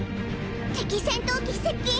敵戦闘機接近！